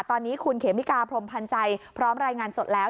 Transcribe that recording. ตอนนี้คุณเขมิกาพรมพันธ์ใจพร้อมรายงานสดแล้ว